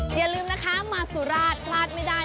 อย่าลืมนะคะมาสุราชพลาดไม่ได้